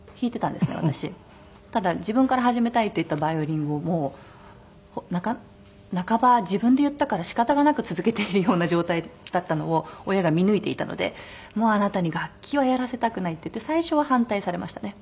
ただ自分から始めたいって言ったバイオリンをもう半ば自分で言ったから仕方がなく続けているような状態だったのを親が見抜いていたので「もうあなたに楽器はやらせたくない」って言って最初は反対されましたね。